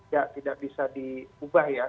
ya tidak bisa diubah ya